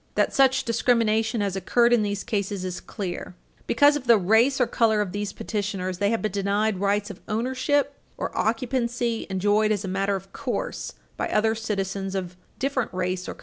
That such discrimination has occurred in these cases is clear. Because of the race or color of these petitioners, they have been denied rights of ownership or occupancy enjoyed as a matter of course by other citizens of different race or Page 334 U.